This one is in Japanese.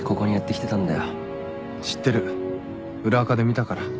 知ってる裏アカで見たから。